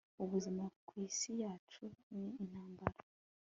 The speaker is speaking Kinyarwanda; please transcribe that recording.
ubuzima ku isi yacu ni intambara